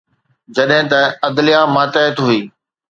جڏهن ته عدليه ماتحت هئي.